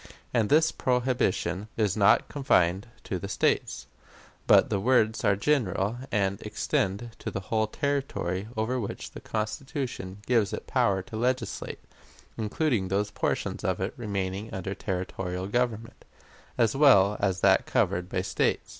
And this prohibition is not confined to the States, but the words are general, and extend to the whole territory over which the Constitution gives it power to legislate, including those portions of it remaining under territorial government, as well as that covered by States.